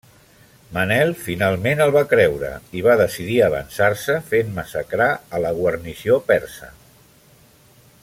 Manel finalment el va creure i va decidir avançar-se fent massacrar a la guarnició persa.